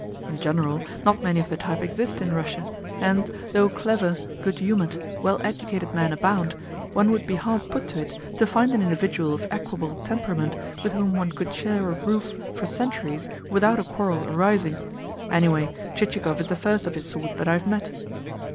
In general, not many of the type exist in Russia, and, though clever, good humoured, well educated men abound, one would be hard put to it to find an individual of equable temperament with whom one could share a roof for centuries without a quarrel arising. Anyway, Chichikov is the first of his sort that I have met."